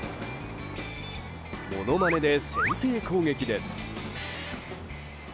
物まねで先制攻撃です。